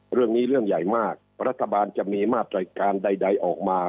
เรื่องใหญ่มากรัฐบาลจะมีมาตรการใดออกมา